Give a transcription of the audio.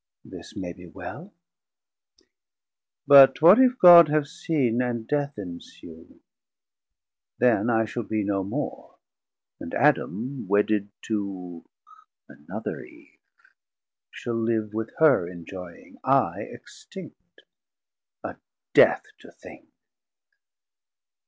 This may be well: but what if God have seen, And Death ensue? then I shall be no more, And Adam wedded to another Eve, Shall live with her enjoying, I extinct; A death to think.